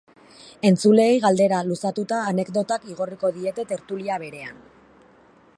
Entzuleei galdera luzatuta anekdotak igorriko diete tertulia berean.